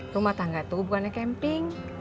rumah tangga itu bukannya camping